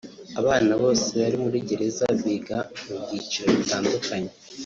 Abana bose bari muri gereza biga mu byiciro bitandukanye